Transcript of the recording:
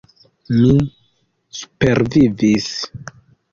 Mi supervivis.